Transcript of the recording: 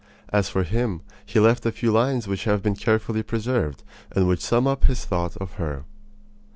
As for him, he left a few lines which have been carefully preserved, and which sum up his thought of her.